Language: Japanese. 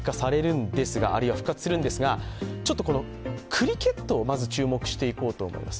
クリケットにまず注目していこうと思います